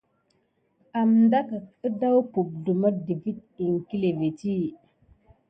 Amteke dà pukzlumo émet iŋkle va midikine ho kirni mà delulani ba va midikiba.